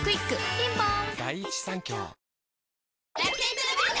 ピンポーン